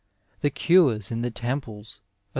The cures in the temples of